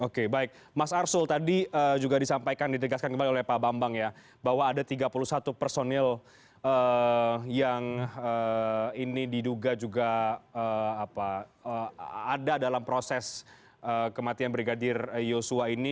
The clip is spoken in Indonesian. oke baik mas arsul tadi juga disampaikan ditegaskan kembali oleh pak bambang ya bahwa ada tiga puluh satu personil yang ini diduga juga ada dalam proses kematian brigadir yosua ini